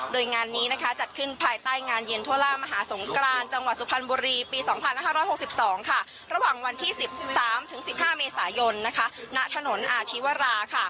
โดยงานนี้จัดขึ้นภายใต้งานเย็นทั่วล่ามหาสงกรานจังหวัดสุพรรณบุรีปี๒๕๖๒ระหว่างวันที่๑๓๑๕เมษายนณถนนอาชีวรา